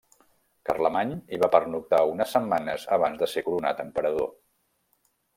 Carlemany hi va pernoctar unes setmanes abans de ser coronat emperador.